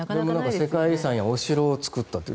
世界遺産やお城を作ったと。